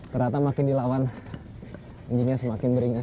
ternyata makin dilawan anjingnya semakin beringas